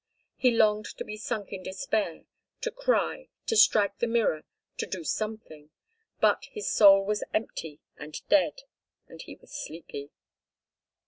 He longed to be sunk in despair, to cry, to strike the mirror, to do something, but his soul was empty and dead, and he was sleepy.